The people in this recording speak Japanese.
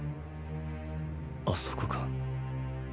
あそこか？